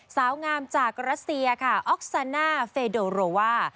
สาวงามจากรัสเซียค่ะออกซาน่าเฟโดโรว่า